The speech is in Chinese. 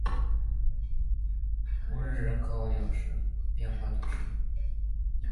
乌日人口变化图示